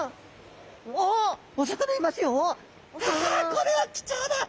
これは貴重だ。